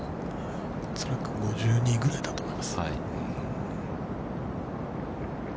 恐らく５２ぐらいだと思います。